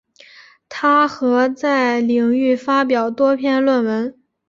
她和在领域发表多篇论文。